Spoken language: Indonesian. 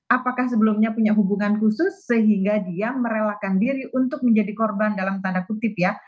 apakah sebelumnya punya hubungan khusus sehingga dia merelakan diri untuk menjadi korban dalam tanda kutip ya